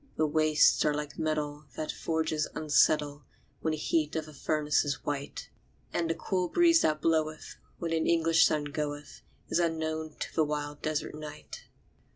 The wastes are like metal that forges unsettle When the heat of the furnace is white; And the cool breeze that bloweth when an English sun goeth, Is unknown to the wild desert night.